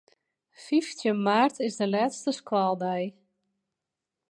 Fyftjin maart is de lêste skoaldei.